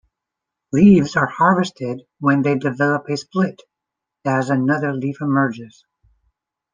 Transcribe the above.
Leaves are harvested when they develop a "split" as another leaf emerges.